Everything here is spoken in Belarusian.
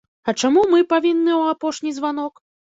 А чаму мы павінны ў апошні званок?